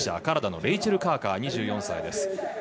カナダのレイチェル・カーカー２４歳です。